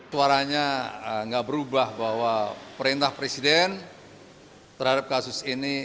suaranya nggak berubah bahwa perintah presiden terhadap kasus ini